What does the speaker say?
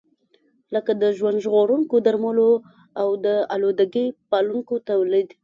لکه د ژوند ژغورونکو درملو او د آلودګۍ پاکونکو تولید.